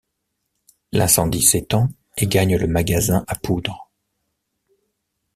L'incendie s'étend et gagne le magasin à poudre.